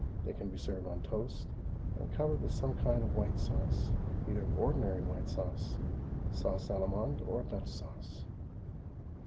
They can be served on toast, and covered with some kind of white sauce, either ordinary white sauce, sauce Allemande, or Dutch sauce.